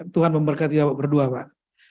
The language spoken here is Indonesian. tuhan memberkati bapak berdua pak